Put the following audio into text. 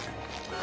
あ。